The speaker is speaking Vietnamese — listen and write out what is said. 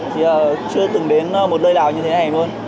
thì chưa từng đến một nơi nào như thế này luôn